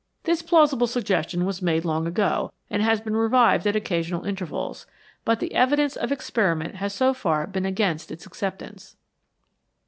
This plausible suggestion was made long ago, and has been revived at occasional intervals, but the evid ence of experiment has so far been against its acceptance.